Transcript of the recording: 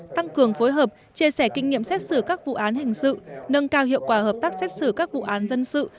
tăng cường phối hợp chia sẻ kinh nghiệm xét xử các vụ án hình sự nâng cao hiệu quả hợp tác xét xử các vụ án dân sự